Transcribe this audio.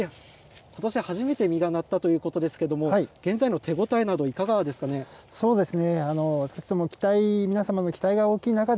ことし初めて実がなったということですけれども、現在の手応えなど、いかがですかね。